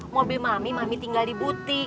mobil mami mami tinggal di butik